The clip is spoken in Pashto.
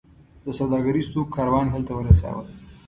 د سوداګریزو توکو کاروان یې هلته ورساوو.